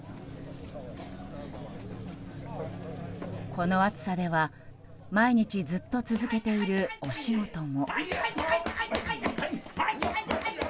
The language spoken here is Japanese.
この暑さでは、毎日ずっと続けているお仕事も。